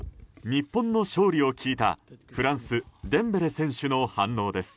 日本の勝利を聞いた、フランスデンベレ選手の反応です。